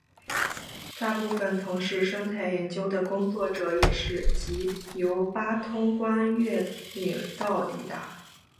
在大分从事生态研究的工作者也是藉由八通关越岭道抵达。